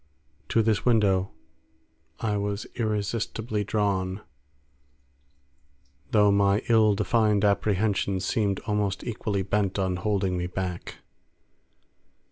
To this window I was irresistibly drawn, though my ill defined apprehensions seemed almost equally bent on holding me back.